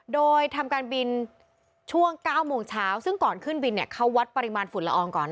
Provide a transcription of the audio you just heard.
โดยทำการบินช่วง๙โมงเช้าซึ่งก่อนขึ้นบินเขาวัดปริมาณฝุ่นละอองก่อน